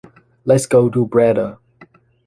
Let's go to Breda.